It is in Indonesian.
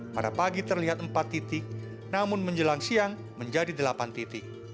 pada pagi terlihat empat titik namun menjelang siang menjadi delapan titik